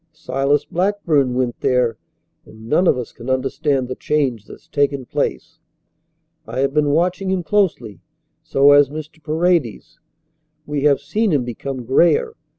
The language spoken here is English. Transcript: Silas Blackburn went there, and none of us can understand the change that's taken place. I have been watching him closely. So has Mr. Paredes. We have seen him become grayer.